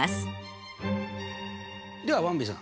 ではばんびさん